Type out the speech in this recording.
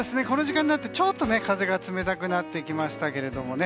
この時間になって、ちょっと風が冷たくなってきましたね。